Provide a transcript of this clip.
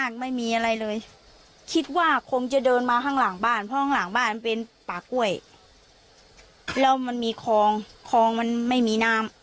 คิดว่าทางแม่ของนางเขาสร้างในร่วมอ่ะ